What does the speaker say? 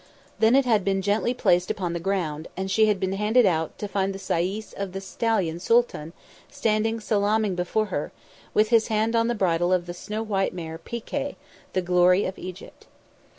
Then it had been gently placed upon the ground, and she had been handed out, to find the sayis of the stallion Sooltan standing salaaming before her, with his hand on the bridle of the snow white mare, Pi Kay, the glory of Egypt.